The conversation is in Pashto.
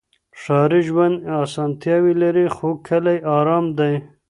ښاري ژوند اسانتیاوې لري خو کلی ارام دی.